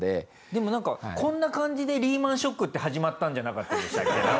でもなんかこんな感じでリーマンショックって始まったんじゃなかったでしたっけ？